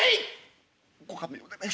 「ご勘弁を願います。